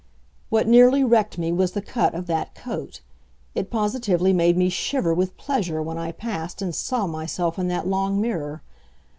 What nearly wrecked me was the cut of that coat. It positively made me shiver with pleasure when I passed and saw myself in that long mirror.